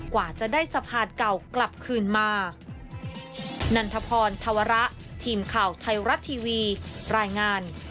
กว่าจะได้สะพานเก่ากลับคืนมา